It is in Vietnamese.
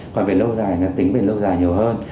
còn về lâu dài nhà tính về lâu dài nhiều hơn